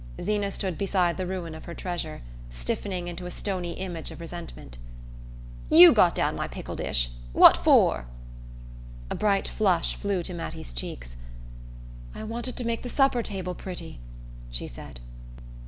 Zeena stood beside the ruin of her treasure, stiffening into a stony image of resentment, "You got down my pickle dish what for?" A bright flush flew to Mattie's cheeks. "I wanted to make the supper table pretty," she said.